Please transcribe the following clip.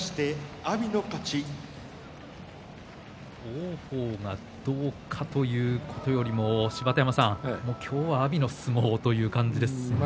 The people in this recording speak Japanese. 王鵬がどうかということよりも芝田山さん、今日は阿炎の相撲という感じですね。